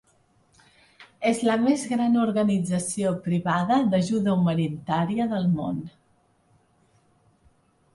És la més gran organització privada d'ajuda humanitària del món.